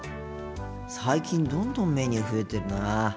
最近どんどんメニュー増えてるなあ。